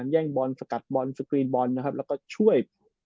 แย่งบอลสกัดบอลสกรีนบอลนะครับแล้วก็ช่วย